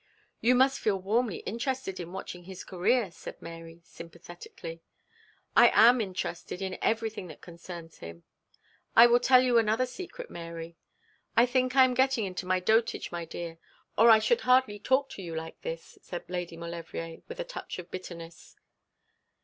'You must feel warmly interested in watching his career,' said Mary, sympathetically. 'I am interested in everything that concerns him. I will tell you another secret, Mary. I think I am getting into my dotage, my dear, or I should hardly talk to you like this,' said Lady Maulevrier, with a touch of bitterness.